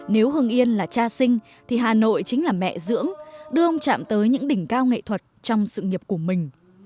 nếu hưng yên là cha sinh thì hà nội chính là mẹ dưỡng đưa ông chạm tới những đỉnh cao nghệ thuật trong sự nghiệp của mình